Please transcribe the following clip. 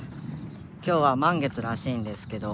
今日は満月らしいんですけど。